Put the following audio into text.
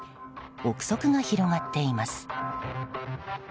憶測が広がっています。